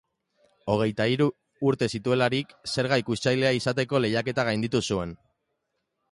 Hogeita hiru urte zituelarik, zerga-ikuskatzailea izateko lehiaketa gainditu zuen.